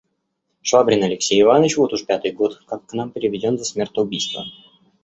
Швабрин Алексей Иваныч вот уж пятый год как к нам переведен за смертоубийство.